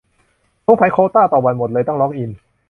สงสัยโควตาต่อวันหมด เลยต้องล็อกอิน